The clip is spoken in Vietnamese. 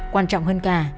quan trọng hơn cả